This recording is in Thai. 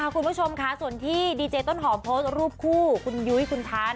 คุณผู้ชมค่ะส่วนที่ดีเจต้นหอมโพสต์รูปคู่คุณยุ้ยคุณทาน